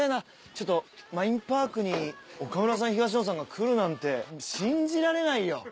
ちょっとマインパークに岡村さん東野さんが来るなんて信じられないよ！